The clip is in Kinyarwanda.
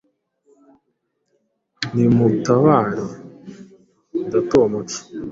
Nimutabare mudata uwo muco.